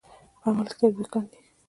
په عمل کې یې تطبیق کاندئ.